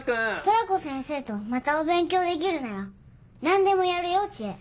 トラコ先生とまたお勉強できるなら何でもやるよ知恵。